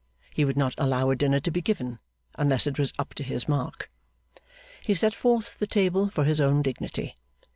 He would not allow a dinner to be given, unless it was up to his mark. He set forth the table for his own dignity.